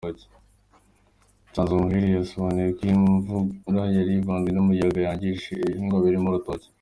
Nsanzumuhire yasobanuye ko iyi mvura yari ivanze n’umuyaga yanangije ibihingwa birimo urutoki.